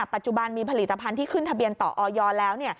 ปัจจุบันมีผลิตภัณฑ์ที่ขึ้นทะเบียนต่อออยแล้ว